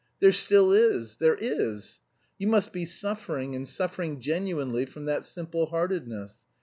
There still is, there is! You must be suffering and suffering genuinely from that simple heartedness.